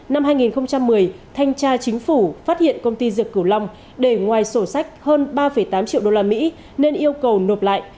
năm hai nghìn một mươi thanh tra chính phủ phát hiện công ty dược cửu long để ngoài sổ sách hơn ba tám triệu usd nên yêu cầu nộp lại